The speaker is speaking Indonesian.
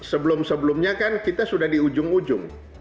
sebelum sebelumnya kan kita sudah di ujung ujung